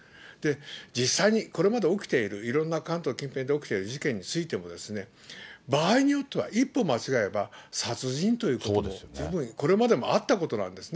実際にこれまで起きている、いろんな関東近辺で起きている事件についてもですね、場合によっては、一歩間違えれば殺人ということもずいぶん、これまでもあったことなんですね。